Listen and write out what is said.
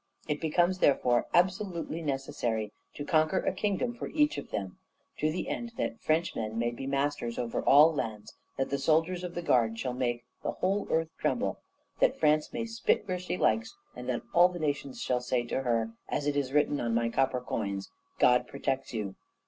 It becomes, therefore, absolutely necessary to conquer a kingdom for each of them to the end that Frenchmen may be masters over all lands, that the soldiers of the Guard shall make the whole earth tremble, that France may spit where she likes, and that all the nations shall say to her, as it is written on my copper coins, '_God protects you!